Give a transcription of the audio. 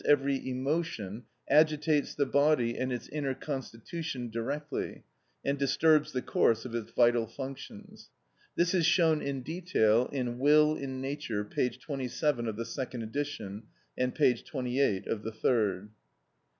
_, every emotion, agitates the body and its inner constitution directly, and disturbs the course of its vital functions. This is shown in detail in "Will in Nature," p. 27 of the second edition and p. 28 of the third.